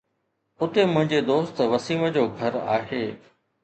اتي منهنجي دوست وسيم جو گهر آهي